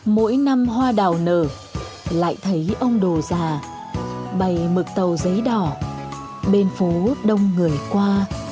mỗi năm hoa đào nở lại thấy ông đồ già bày mực tàu giấy đỏ bên phố đông người qua